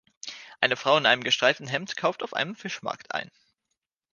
Eine Frau in einem gestreiften Hemd kauft auf einem Fischmarkt ein.